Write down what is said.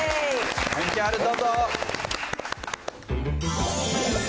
ＶＴＲどうぞ。